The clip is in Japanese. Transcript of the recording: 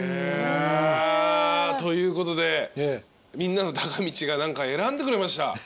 ということでみんなのたかみちが選んでくれました。